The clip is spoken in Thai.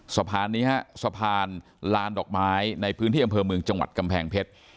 สะพานนี้ฮะสะพานลานดอกไม้ในพื้นที่อำเภอเมืองจังหวัดกำแพงเพชร